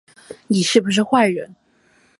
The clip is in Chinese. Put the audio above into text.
你是不是坏人